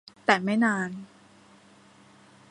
แต่ไม่นาน